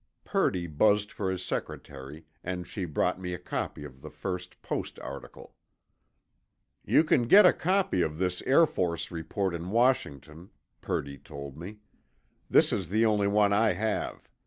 Purdy buzzed for his secretary, and she brought me a copy of the first Post article. "You can get a copy of this Air Force report in Washington," Purdy told me. "This is the only one I have.